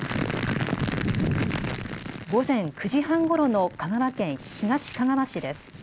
午前９時半ごろの香川県東かがわ市です。